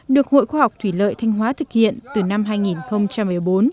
được hội khoa học thủy lợi thanh hóa thực hiện từ năm hai nghìn một mươi bốn